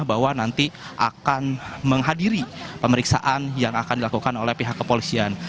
bahwa nanti akan menghadiri pemeriksaan yang akan dilakukan oleh pihak kepolisian